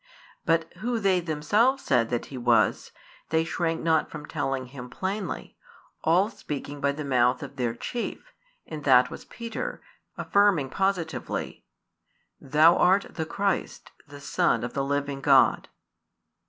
But Who they themselves said that He was, they shrank not from telling Him plainly, all speaking by the mouth of their chief, and that was Peter, affirming positively: Thou art the Christ, the Son of the Living God.